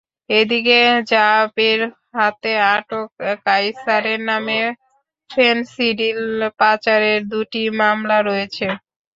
এদিকে র্যা বের হাতে আটক কাইছারের নামে ফেনসিডিল পাচারের দুটি মামলা রয়েছে।